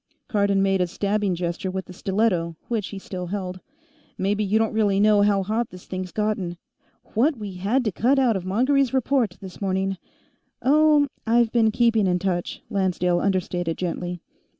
Cardon made a stabbing gesture with the stiletto, which he still held. "Maybe you don't really know how hot this thing's gotten. What we had to cut out of Mongery's report, this morning " "Oh, I've been keeping in touch," Lancedale understated gently.